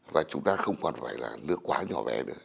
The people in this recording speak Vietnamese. và chúng ta không còn phải là nước quá nhỏ vẻ nữa